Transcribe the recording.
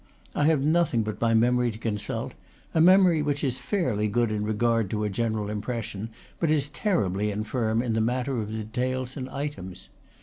I have nothing but my memory to consult, a memory which is fairly good in regard to a general impression, but is terribly infirm in the matter of details and items.